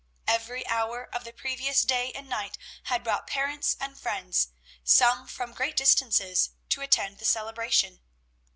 Every hour of the previous day and night had brought parents and friends, some from great distances, to attend the celebration.